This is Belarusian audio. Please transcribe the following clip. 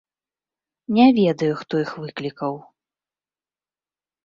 Не ведаю, хто іх выклікаў.